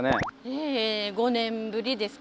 え５年ぶりですか？